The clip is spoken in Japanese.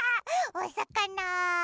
おさかな！